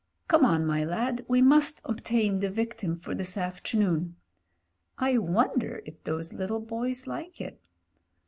Come'on, my lad, we must obtain the victim for this afternoon. I wonder if those little boys like it?